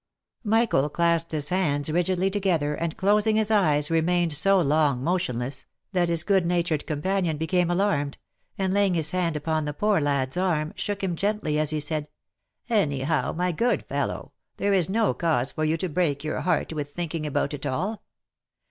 Michael clasped his hands rigidly together, and closing his eyes, re mained so long motionless, that his good natured companion became alarmed, and laying his hand upon the poor lad's arm, shook him gently, as he said, " Any how, my good fellow, there is no cause for you to break your heart with thinking about it all.